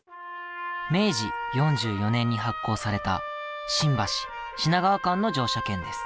明治４４年に発行された新橋品川間の乗車券です。